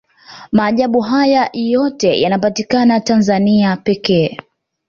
maajabu haya yote yanapatikana tanzania pekee